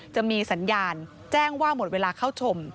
จะมีสัญญาณแจ้งว่าหมดเวลาเข้าชม